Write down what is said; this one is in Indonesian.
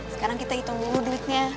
sekarang kita hitung dulu duitnya